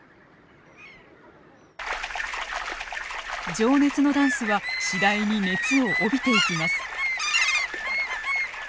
情熱のダンスは次第に熱を帯びていきます。